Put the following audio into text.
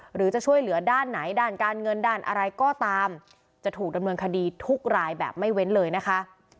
หรือจะช่วยเหลือด้านไหนด้านการเงินด้านอะไรก็ตามจะถูกดำเนินคดีทุกรายแบบไม่เว้นเลยนะคะ